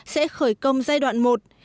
sẽ khởi công giai đoạn một